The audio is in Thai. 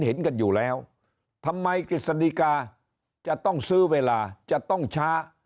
เห็นกันอยู่แล้วทำไมกฤษฎิกาจะต้องซื้อเวลาจะต้องช้า